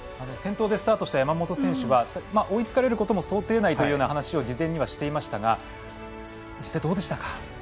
先頭でスタートした山本選手は追いつかれることも想定内というような話も事前にはしていましたが実際、どうでしたか？